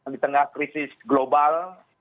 di tengah krisis global